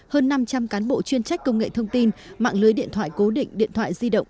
hơn năm trăm linh cán bộ chuyên trách công nghệ thông tin mạng lưới điện thoại cố định điện thoại di động